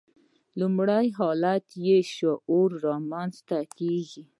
لومړنی حالت یې شعوري رامنځته کېږي.